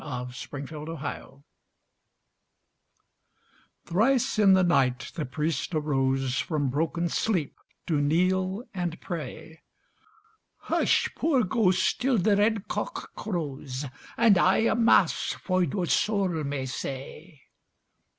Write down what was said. THE PRIEST'S BROTHER Thrice in the night the priest arose From broken sleep to kneel and pray. "Hush, poor ghost, till the red cock crows, And I a Mass for your soul may say."